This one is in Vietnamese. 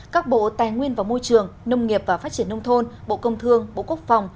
các bộ tài nguyên và môi trường nông nghiệp và phát triển nông thôn bộ công thương bộ quốc phòng